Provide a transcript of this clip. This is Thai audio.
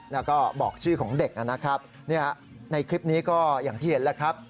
แล้วก็บอกชื่อของเด็กนะครับในคลิปนี้ก็อย่างที่เห็นแล้วครับ